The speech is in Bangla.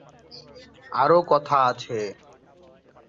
আরো কথা আছে।